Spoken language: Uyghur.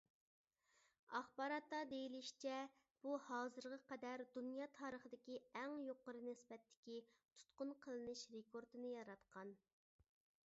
ئاخباراتتا دېيىلىشىچە، بۇ ھازىرغا قەدەر دۇنيا تارىخىدىكى ئەڭ يۇقىرى نىسبەتتىكى تۇتقۇن قىلىنىش رېكورتىنى ياراتقان.